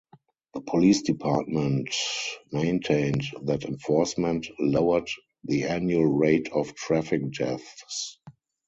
The police department maintained that enforcement lowered the annual rate of traffic deaths.